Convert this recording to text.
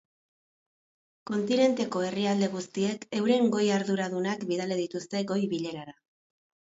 Kontinenteko herrialde guztiek euren goi arduradunak bidali dituzte goi-bilerara.